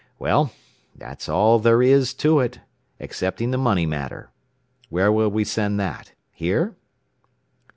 "Well, that's all there is to it, excepting the money matter. Where will we send that? Here?"